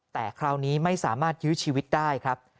แต่คราวนี้ไม่สามารถยื้อชีวิตได้ครับ